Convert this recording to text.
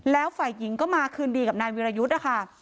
แล้วฝ่ายหญิงก็มาคืนดีกับนายวิรยุทธ์นะคะ